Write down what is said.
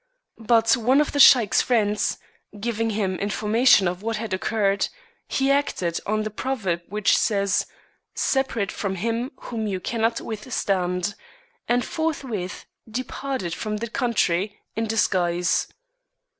But one of the Sheik's friends giving him information of what had occurred, he acted on the proverb which says, " Separate from him whom you cannot withstand," and forthwith departed from that country in disguise.